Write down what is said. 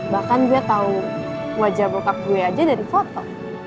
bahkan dia tahu wajah bokap gue aja dari foto